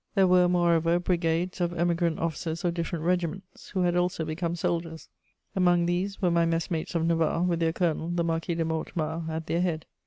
There were, moreover, brigades of Emigrant officers of different regiments, who had also become soldiers: among these were my messmates of Navarre, with their colonel, the Marquis de Mortemart, at their head.